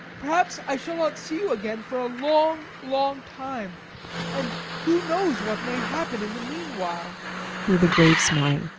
Perhaps I shall not see you again for a long, long time. And who knows what may happen in the meanwhile? ASTA. [With a grave smile.